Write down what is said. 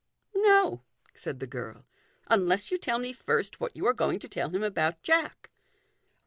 " No," said the girl, " unless you tell me first what you are going to tell him about Jack."